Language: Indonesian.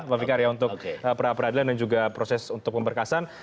pak fikar ya untuk pra peradilan dan juga proses untuk pemberkasan